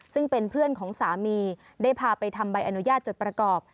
ซึ่งเป็นเพื่อนของสามีได้พาไปทำใบอนุญาตจดประกอบ